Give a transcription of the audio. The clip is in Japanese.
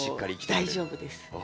大丈夫です。